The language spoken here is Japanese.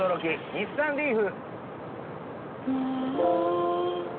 日産リーフ！